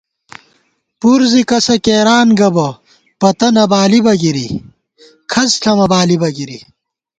پُر زی کسہ کېران گہ بہ ، پتہ نہ بالِبہ گِری، کھڅ ݪَمہ بالِبہ گِری